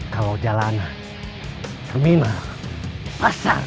kalau jalanan terminal pasar